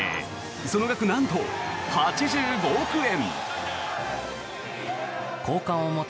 その額なんと８５億円。